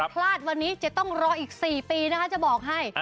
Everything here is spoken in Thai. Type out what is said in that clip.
พลาดวันนี้จะต้องรออีก๔ปีนะคะจะบอกให้